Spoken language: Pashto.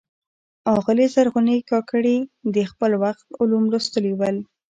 آغلي زرغونې کاکړي د خپل وخت علوم لوستلي ول.